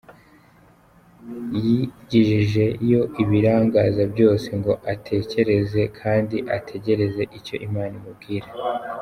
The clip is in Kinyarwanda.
Yigijeyo ibirangaza byose ngo atekereze kandi ategereze icyo Imana imubwira.